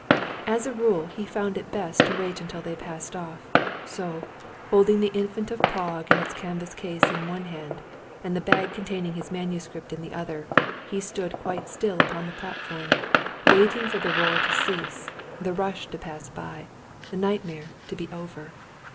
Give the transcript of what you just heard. As a rule, he found it best to wait until they passed off. So, holding the Infant of Prague in its canvas case in one hand, and the bag containing his manuscript in the other, he stood quite still upon the platform, waiting for the roar to cease, the rush to pass by, the nightmare to be over.